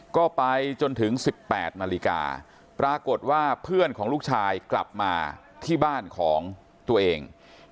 ก็ไปจนถึง๑๘นาฬิกาปรากฏว่าเพื่อนของลูกชายกลับมาที่บ้านของตัวเอง